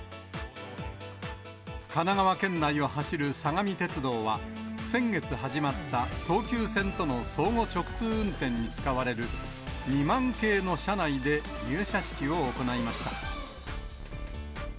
神奈川県内を走る相模鉄道は、先月始まった東急線との相互直通運転に使われる２００００系の車内で入社式を行いました。